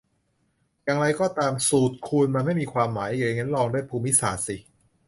อย่างไรก็ตาม สูตรคูณมันไม่มีความหมายเลย งั้นลองด้วยภูมิศาสตร์สิ